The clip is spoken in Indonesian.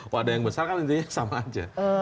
wadah yang besar kan intinya sama aja